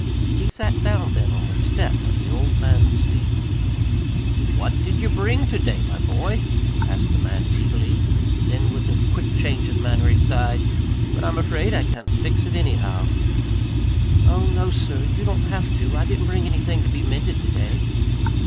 He sat down then on the step at the old man's feet. "What did ye bring ter day, my boy?" asked the man eagerly; then with a quick change of manner, he sighed, "but I'm afraid I can't fix it, anyhow." "Oh, no, sir, you don't have to. I didn't bring anything to be mended to day."